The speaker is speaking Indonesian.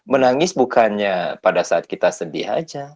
menangis bukannya pada saat kita sedih aja